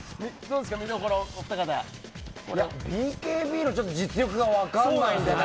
ＢＫＢの実力が分かんないんでね。